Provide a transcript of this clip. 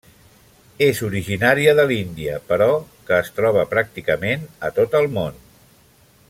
És originària de l'Índia, però que es troba pràcticament a tot el món.